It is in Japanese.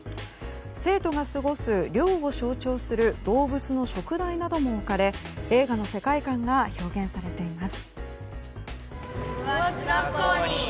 生徒が過ごす寮を象徴する動物の燭台なども置かれ映画の世界観が表現されています。